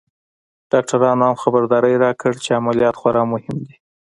ډاکترانو هم خبرداری راکړ چې عمليات خورا مهم دی.